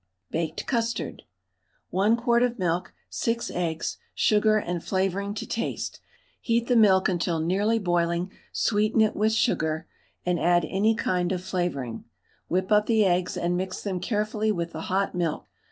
BAKED CUSTARD. 1 quart of milk, 6 eggs, sugar, and flavouring to taste. Heat the milk until nearly boiling, sweeten it with sugar, and add any kind of flavouring. Whip up the eggs, and mix them carefully with the hot milk.